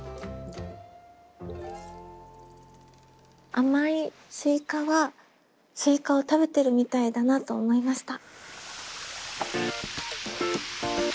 「甘いスイカ」はスイカを食べてるみたいだなと思いました。